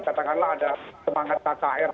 katakanlah ada semangat kkr